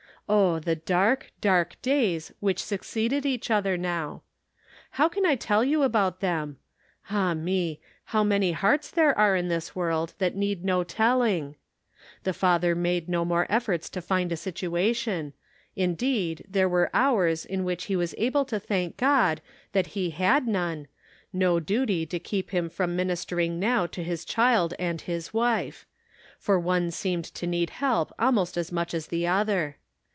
Oh, the dark, dark days which succeeded each other now ! How can I tell you about them ? Ah me ! how many hearts there are in this world that need no telling ! The father made no more efforts to find a situation ; indeed, there were hours in which he was able to thank God that he had none, no duty to keep him from minister ing now to his child and his wife ; for one Measured by Trial. 347 seemed to need help almost as much as the other.